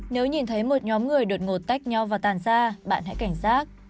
nếu nhìn thấy một nhóm người đột ngột tách nhau và tàn ra bạn hãy cảnh giác